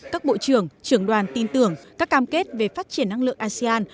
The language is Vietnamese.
các bộ trưởng trưởng đoàn tin tưởng các cam kết về phát triển năng lượng asean